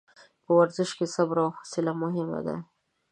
په ورزش کې صبر او حوصله مهم دي.